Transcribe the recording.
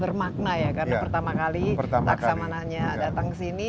bermakna ya karena pertama kali laksamananya datang kesini